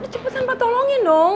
cepetan pak tolongin dong